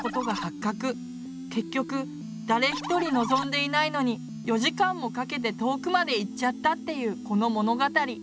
結局誰一人望んでいないのに４時間もかけて遠くまで行っちゃったっていうこの物語。